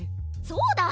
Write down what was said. そうだ！